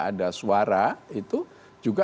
ada suara itu juga